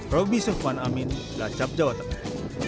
robby soekman amin lacap jawa tengah